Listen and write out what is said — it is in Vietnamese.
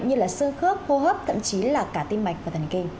như là xương khớp hô hấp thậm chí là cả tim mạch và thần kinh